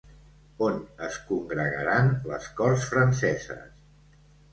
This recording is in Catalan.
On es congregaran les corts franceses?